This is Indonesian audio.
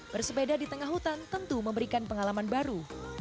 bersepeda di tengah hutan tentu memberikan pengalaman baru